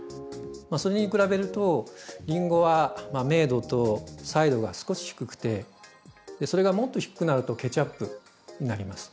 それに比べるとりんごは明度と彩度が少し低くてそれがもっと低くなるとケチャップになります。